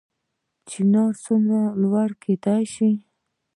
چنار څومره لوی کیدی شي؟